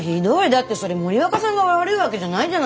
だってそれ森若さんが悪いわけじゃないじゃないですか。